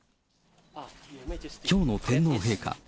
きょうの天皇陛下。